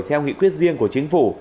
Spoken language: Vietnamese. theo nghị quyết riêng của chính phủ